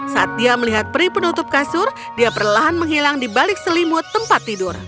saat dia melihat peri penutup kasur dia perlahan menghilang di balik selimut tempat tidur